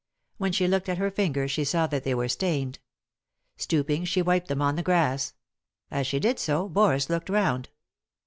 When she looked at her fingers she saw that they were stained. Stooping she wiped them on the grass. As she did so, Boris looked round.